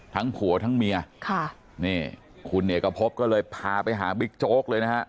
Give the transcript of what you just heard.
ผัวทั้งเมียค่ะนี่คุณเอกพบก็เลยพาไปหาบิ๊กโจ๊กเลยนะฮะ